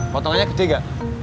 potongannya kecil gak